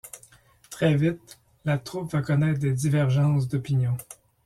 Très vite, la troupe va connaître des divergences d’opinions.